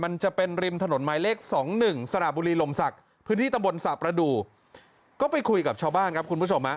มันจะเป็นริมถนนหมายเลข๒๑สระบุรีลมศักดิ์พื้นที่ตำบลสระประดูกก็ไปคุยกับชาวบ้านครับคุณผู้ชมฮะ